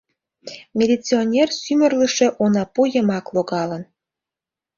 Милиционер сӱмырлышӧ онапу йымак логалын.